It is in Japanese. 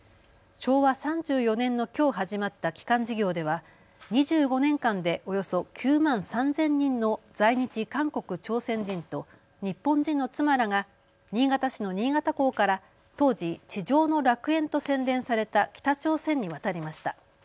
昭和３４年のきょう始まった帰還事業では２５年間でおよそ９万３０００人の在日韓国・朝鮮人と日本人の妻らが新潟市の新潟港から当時、地上の楽園と宣伝された北朝鮮に渡りました。